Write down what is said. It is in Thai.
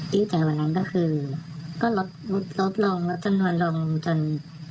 ดีใจวันนั้นก็คือก็ลดลงลดจำนวนลงจน